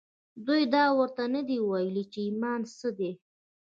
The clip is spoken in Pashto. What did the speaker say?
دوی دا ورته نه دي ویلي چې ایمان څه دی